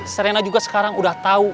serena juga sekarang udah tahu